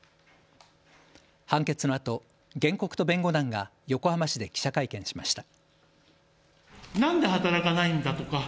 判決のあと、原告と弁護団が横浜市で記者会見しました。